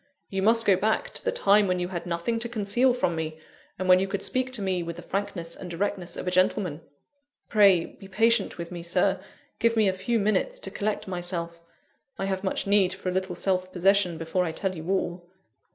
You must go back to the time when you had nothing to conceal from me, and when you could speak to me with the frankness and directness of a gentleman." "Pray be patient with me, Sir; give me a few minutes to collect myself. I have much need for a little self possession before I tell you all."